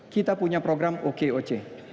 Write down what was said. kita punya program okoc